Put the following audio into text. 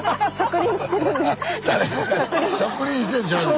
植林してるんちゃう。